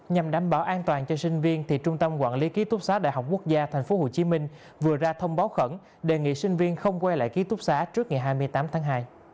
nhằm đảm bảo an toàn cho sinh viên trung tâm quản lý ký túc xá đại học quốc gia tp hcm vừa ra thông báo khẩn đề nghị sinh viên không quay lại ký túc xá trước ngày hai mươi tám tháng hai